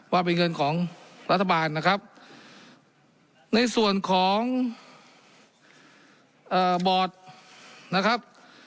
ว่าเป็นเงินของรัฐบาลนะครับในส่วนของบอร์ดนะครับ